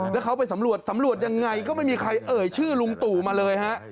แล้วเขาไปสำรวจสำรวจยังไงก็ไม่มีใครเอ่ยชื่อลุงตู่มาเลยฮะ